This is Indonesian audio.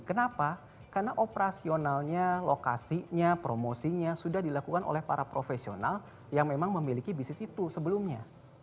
kenapa karena operasionalnya lokasinya promosinya sudah dilakukan oleh para profesional yang memang memiliki bisnis itu sebelumnya